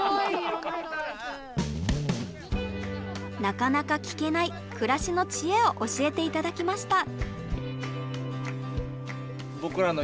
なかなか聞けない暮らしの知恵を教えて頂きました。